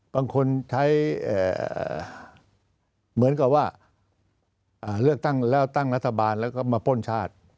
บางคนใช้เหมือนกับว่าเลือกตั้งแล้วตั้งรัฐบาลแล้วก็มาป้นชาติ